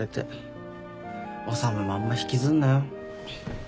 修もあんま引きずんなよ。